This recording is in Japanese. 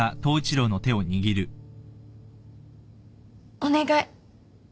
お願い。